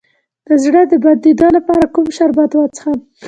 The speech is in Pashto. د زړه د بندیدو لپاره کوم شربت وڅښم؟